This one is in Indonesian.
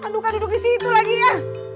aduh kan duduk di situ lagi ya